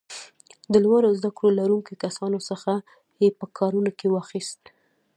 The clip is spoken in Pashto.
د لوړو زده کړو لرونکو کسانو څخه یې په کارونو کې کار واخیست.